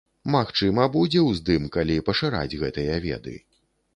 Магчыма будзе ўздым, калі пашыраць гэтыя веды.